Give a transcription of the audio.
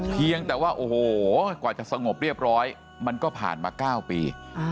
เพียงแต่ว่าโอ้โหกว่าจะสงบเรียบร้อยมันก็ผ่านมา๙ปี